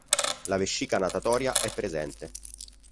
La vescica natatoria è presente.